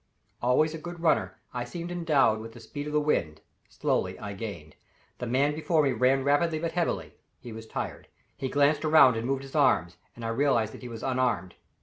Always a good runner, I seemed endowed with the speed of the wind; slowly I gained. The man before me ran rapidly but heavily; he was tired. He glanced around and moved his arms, and I realized that he was unarmed.